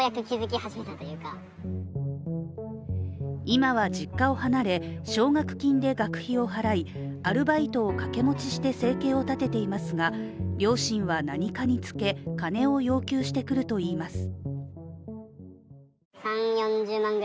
今は実家を離れ、奨学金で学費を払いアルバイトを掛け持ちして生計を立てていますが、両親は何かにつけ金を要求してくるといいます。